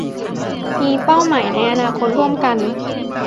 มีเป้าหมายในอนาคตร่วมกัน